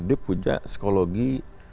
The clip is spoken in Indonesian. dia punya psikologi